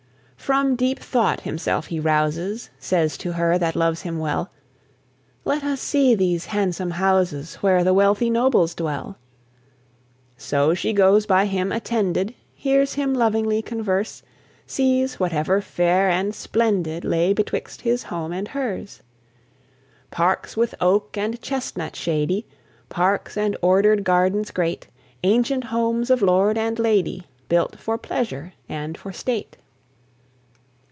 From deep thought himself he rouses, Says to her that loves him well, "Let us see these handsome houses Where the wealthy nobles dwell." So she goes by him attended, Hears him lovingly converse, Sees whatever fair and splendid Lay betwixt his home and hers. Parks with oak and chestnut shady, Parks and order'd gardens great, Ancient homes of lord and lady, Built for pleasure and for state.